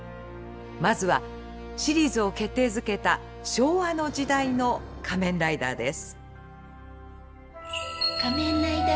まずはシリーズを決定づけた昭和の時代の「仮面ライダー」です。